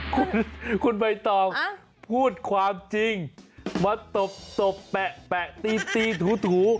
คุณคุณใบตองอ่าพูดความจริงมาตบตบแปะแปะตีตีถูถู